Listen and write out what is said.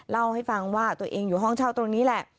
เล่าให้ฟังว่าตัวเองอยู่ห้องเช่าตรงนี้แหละ